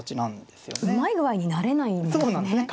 うまい具合に成れないんですね。